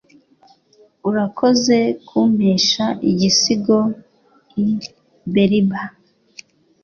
Urakoze kumpesha igisigo i Berber.